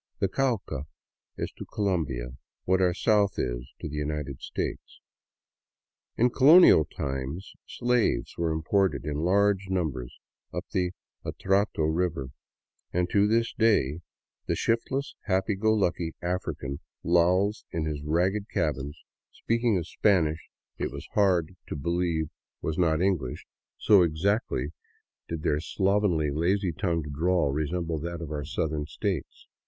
The Cauca is to Colombia what our South is to the United States. In colonial times slaves were imported in large num bers up the Atrato river, and to this day the shiftless, happy go lucky African lolls in his ragged cabins, speaking a Spanish it was hard to 6s VAGABONDING DOWN THE ANDES believe was not English, so exactly did their slovenly, lazy tongued drawl resemble that of our southern states.